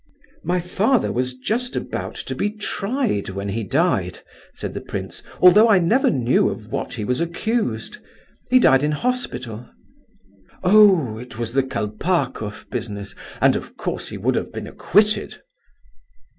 "My father was just about to be tried when he died," said the prince, "although I never knew of what he was accused. He died in hospital." "Oh! it was the Kolpakoff business, and of course he would have been acquitted."